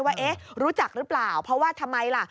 ว่าเอ๊ะรู้จักหรือเปล่าเพราะว่าทำไมล่ะ